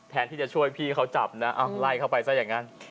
ที่จะช่วยพี่เขาจับนะเอาไล่เข้าไปซะอย่างนั้น